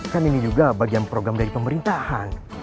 kan ini juga bagian program dari pemerintahan